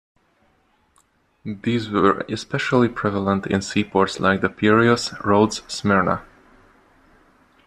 These were especially prevalent in seaports like the Peiraeus, Rhodes, Smyrna.